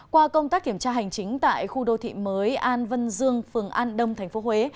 qua công tác kiểm tra hành chính tại khu đô thị mới an vân dương phường an đông tp huế